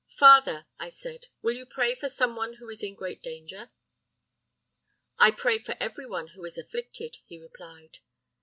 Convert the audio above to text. "'Father,' I said, 'will you pray for some one who is in great danger?' "'I pray for every one who is afflicted,' he replied.